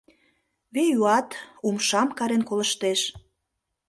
Веюат умшам карен колыштеш.